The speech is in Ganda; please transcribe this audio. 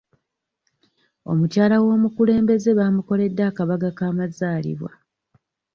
Omukyala w'omukulembeze baamukoledde akabaga k'amazaalibwa.